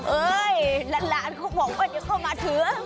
อเอ้อหลานหลานครูบอกว่าเดี๋ยวมาถือ